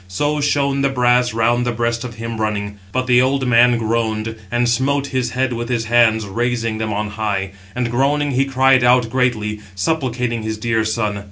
So shone the brass round the breast of him running. But the old man groaned, and smote his head with his hands, raising them on high, 696 and, groaning, he cried out greatly, supplicating his dear son.